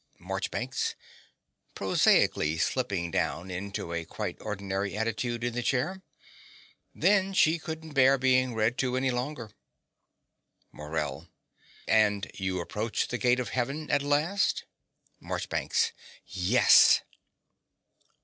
MARCHBANKS (prosaically slipping down into a quite ordinary attitude in the chair). Then she couldn't bear being read to any longer. MORELL. And you approached the gate of Heaven at last? MARCHBANKS. Yes.